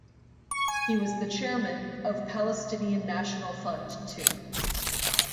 He was the chairman of Palestinian National Fund too.